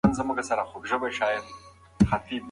که باران پیل شوی وای نو ټول خلک به خپلو کورونو ته تللي وای.